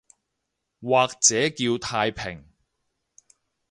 或者叫太平